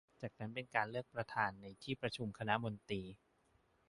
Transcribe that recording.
จากนั้นเป็นการเลือกประธานในที่ประชุมคณะมนตรี